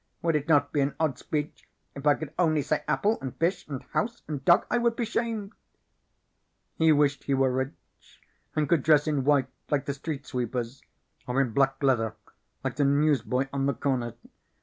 Would it not be an odd speech if I could only say apple and fish and house and dog? I would be shamed." He wished he were rich and could dress in white like the street sweepers, or in black leather like the newsboy on the corner.